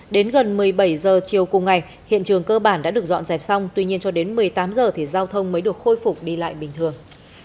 đến gần một mươi bảy h chiều cùng ngày hiện trường cơ bản đã được dọn dẹp xong tuy nhiên cho đến một mươi tám h thì giao thông mới được khôi phục đi lại bình thường